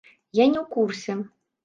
Я не ў курсе.